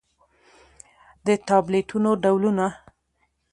د ټابليټنو ډولونه: